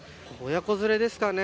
親子連れですかね。